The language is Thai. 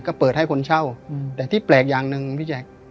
ก็เปิดให้คนเช่าแต่ที่แปลกอย่างหนึ่งพี่แจ๊ค